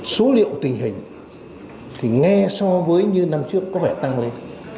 số liệu tình hình thì nghe so với như năm trước có vẻ tăng lên